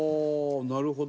なるほど。